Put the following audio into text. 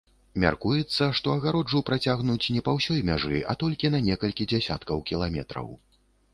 Мяркуецца, што агароджу працягнуць не па ўсёй мяжы, а толькі на некалькі дзясяткаў кіламетраў.